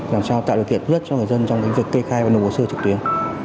làm sao tạo được thiện huyết cho người dân trong cái việc kê khai và nộp hồ sơ trực tuyến